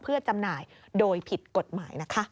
เพื่อจำหน่ายโดยผิดกฎหมายนะคะ